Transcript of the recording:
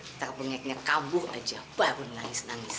kita pengeknya kampung aja baru nangis nangis